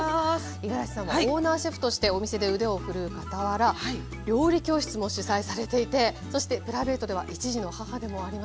五十嵐さんはオーナーシェフとしてお店で腕を振るうかたわら料理教室も主宰されていてそしてプライベートでは１児の母でもあります。